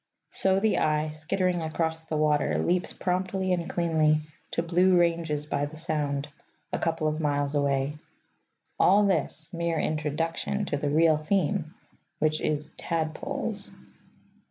So the eye, skittering across the water, leaps promptly and cleanly to blue ranges by the Sound, a couple of miles away. All this, mere introduction to the real theme, which is Tadpoles.